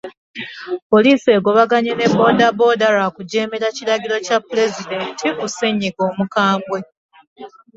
Poliisi egobaganye ne booda booda lwa kujeemera kiragiro Kya pulezidenti ku ssenyiga Omukambwe